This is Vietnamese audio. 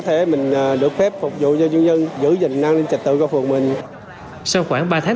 thể mình được phép phục vụ cho nhân dân giữ gìn an ninh trật tự của phường mình sau khoảng ba tháng